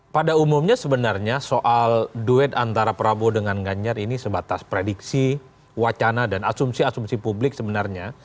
pada umumnya sebenarnya soal duet antara prabowo dengan ganjar ini sebatas prediksi wacana dan asumsi asumsi publik sebenarnya